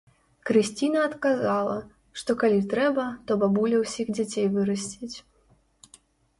Крысціна адказала, што калі трэба, то бабуля ўсіх дзяцей вырасціць.